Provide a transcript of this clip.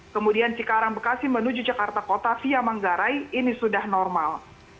kemudian cikarang bekasi menuju jakarta kota via manggarai ini sudah normal